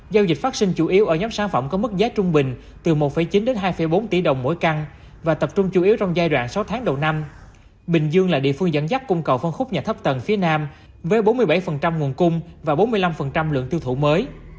giao dịch phát sinh chủ yếu ở nhóm sản phẩm có mức giá trung bình từ một chín đến hai bốn tỷ đồng mỗi căn và tập trung chủ yếu trong giai đoạn sáu tháng đầu năm bình dương là địa phương dẫn dắt cung cầu phân khúc nhà thấp tầng phía nam với bốn mươi bảy nguồn cung và bốn mươi năm lượng tiêu thụ mới